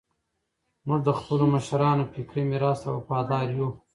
موږ د خپلو مشرانو فکري میراث ته وفادار یو.